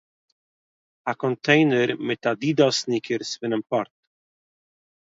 א קאנטעינער מיט אדידאס סניקערס פונעם פּארט